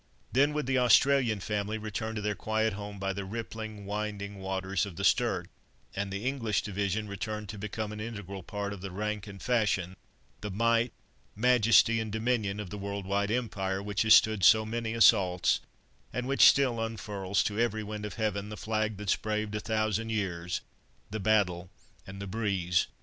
Then would the Australian family return to their quiet home by the rippling, winding waters of the Sturt, and the English division return to become an integral portion of the rank and fashion, the "might, majesty and dominion" of the world wide Empire which has stood so many assaults, and which still unfurls to every wind of Heaven the "flag that's braved a thousand years, the battle and the breeze."